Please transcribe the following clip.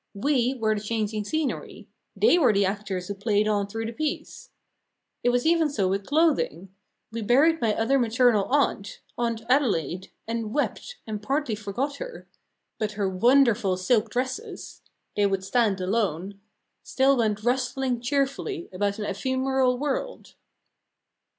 We were the changing scenery; they were the actors who played on through the piece. It was even so with clothing. We buried my other maternal aunt Aunt Adelaide and wept, and partly forgot her; but her wonderful silk dresses they would stand alone still went rustling cheerfully about an ephemeral world.